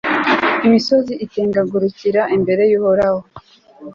imisozi itengagurikira imbere y'uhoraho